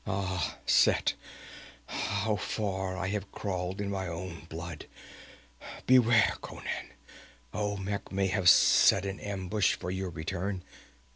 Ah, Set, how far I have crawled in my own blood! Beware, Conan! Olmec may have set an ambush for your return!